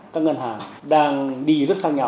các ngân hàng đang đi rất khác nhau